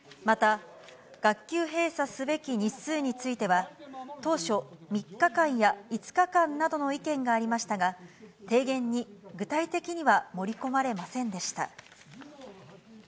また、学級閉鎖すべき日数については、当初、３日間や５日間などの意見がありましたが、提言に具体的には盛り込まれませんでした。